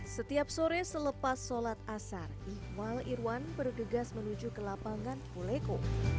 setiap sore selepas sholat asar ihwal irwan bergegas menuju ke lapangan poleko